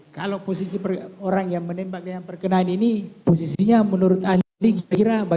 kalau posisi orang yang menembak dengan perkenaan ini posisinya menurut anda ini kira kira